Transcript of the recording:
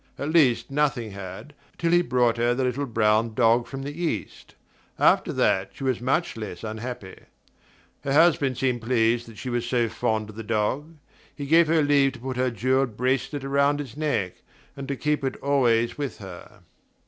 At least nothing had, till he brought her the little brown dog from the East: after that she was much less unhappy. Her husband seemed pleased that she was so fond of the dog; he gave her leave to put her jewelled bracelet around its neck, and to keep it always with her.